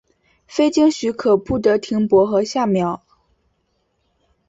非经许可不得停泊和下锚。